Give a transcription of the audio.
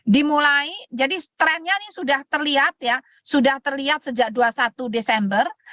dimulai jadi trennya ini sudah terlihat ya sudah terlihat sejak dua puluh satu desember